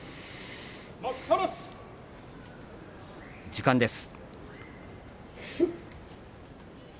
時間です。